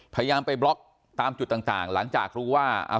พยายามไปบล็อกตามจุดต่างต่างหลังจากรู้ว่าอ่า